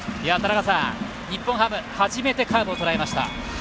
日本ハム、初めてカーブをとらえました。